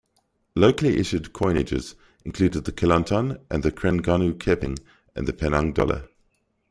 Locally issued coinages included the Kelantan and Trengganu keping, and the Penang dollar.